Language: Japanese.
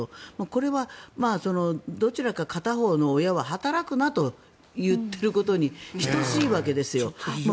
これは、どちらか片方の親は働くなと言ってることに等しいわけですよ。